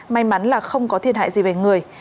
may mắn là không có thiệt hại gì về người